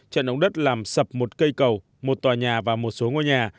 trận động đất làm sập một cây cầu một tòa nhà và một số ngôi nhà